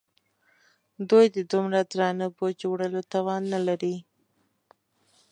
دوی د دومره درانه بوج وړلو توان نه لري.